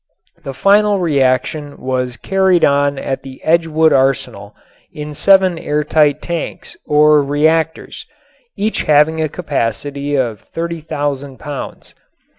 The final reaction was carried on at the Edgewood Arsenal in seven airtight tanks or "reactors," each having a capacity of 30,000 pounds.